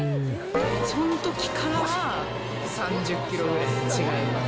そのときから３０キロぐらい違います。